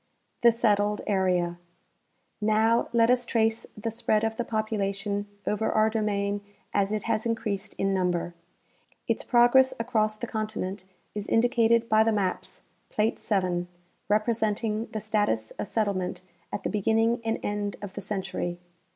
The Settled Area. Now, let us trace the spread of the population over our domain as it has increased in number. Its progress across the continent is indicated by the maps (plate 7) representing the status of set tlement at the beginning and end of the century.